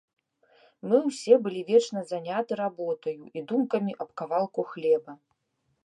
Мы ўсе былі вечна заняты работаю і думкамі аб кавалку хлеба.